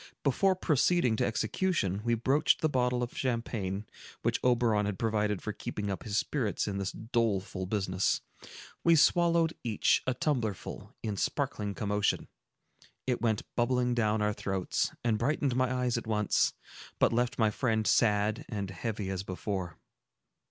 Before proceeding to execution, we broached the bottle of champagne, which Oberon had provided for keeping up his spirits in this doleful business. We swallowed each a tumblerful, in sparkling commotion; it went bubbling down our throats, and brightened my eyes at once, but left my friend sad and heavy as before.